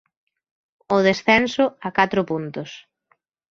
O descenso a catro puntos.